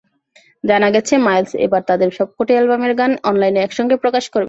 জানা গেছে, মাইলস এবার তাদের সবকটি অ্যালবামের গান অনলাইনে একসঙ্গে প্রকাশ করবে।